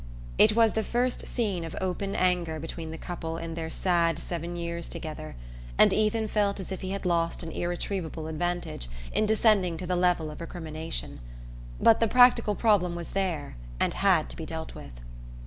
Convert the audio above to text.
It was the first scene of open anger between the couple in their sad seven years together, and Ethan felt as if he had lost an irretrievable advantage in descending to the level of recrimination. But the practical problem was there and had to be dealt with.